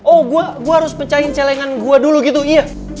oh gue harus pecahin celengan gue dulu gitu iya